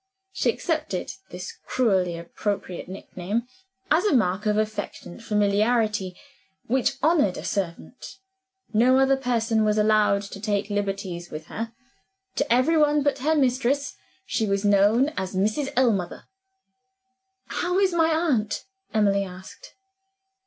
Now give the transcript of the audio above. She accepted this cruelly appropriate nick name as a mark of affectionate familiarity which honored a servant. No other person was allowed to take liberties with her: to every one but her mistress she was known as Mrs. Ellmother. "How is my aunt?" Emily asked.